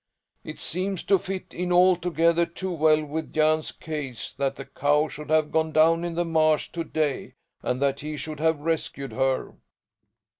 It seems to fit in altogether too well with Jan's case that the cow should have gone down in the marsh to day and that he should have rescued her."